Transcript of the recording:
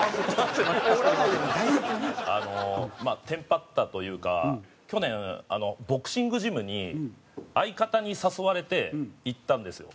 あのまあテンパったというか去年ボクシングジムに相方に誘われて行ったんですよ。